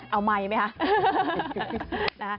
เอาไมค์ไหมคะ